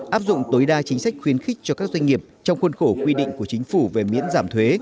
áp dụng tối đa chính sách khuyến khích cho các doanh nghiệp trong khuôn khổ quy định của chính phủ về miễn giảm thuế